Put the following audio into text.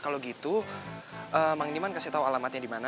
kalau gitu mang diman kasih tahu alamatnya di mana